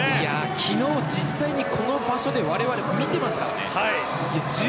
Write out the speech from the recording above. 昨日、実際にこの場所で我々見てますからね。